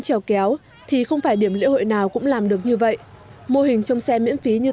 trèo kéo thì không phải điểm lễ hội nào cũng làm được như vậy mô hình trong xe miễn phí như